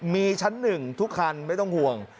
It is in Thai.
มีชั้นหนึ่งทุกคันไม่ต้องห่วง